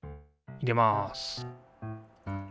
入れます